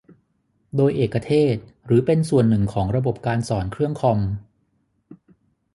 โดยเอกเทศ หรือเป็นส่วนหนึ่งของระบบการสอนเครื่องคอม